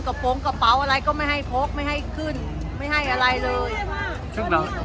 โปรงกระเป๋าอะไรก็ไม่ให้พกไม่ให้ขึ้นไม่ให้อะไรเลยใช่ไหม